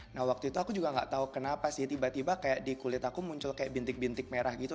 nah waktu itu aku juga gak tahu kenapa sih tiba tiba kayak di kulit aku muncul kayak bintik bintik merah gitu